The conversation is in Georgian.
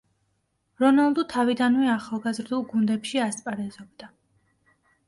რონალდუ თავიდანვე ახალგაზრდულ გუნდებში ასპარეზობდა.